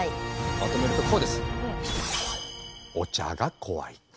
まとめるとこうです。